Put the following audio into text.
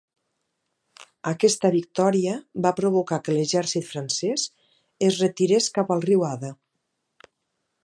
Aquesta victòria va provocar que l"exèrcit francès es retirés cap al riu Adda.